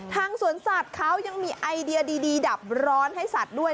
สวนสัตว์เขายังมีไอเดียดีดับร้อนให้สัตว์ด้วย